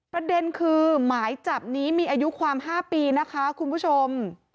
ประเด็นคือหมายจับนี้มีอายุความ๕ปีนะคะคุณผู้ชม